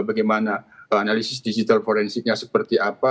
bagaimana analisis digital forensiknya seperti apa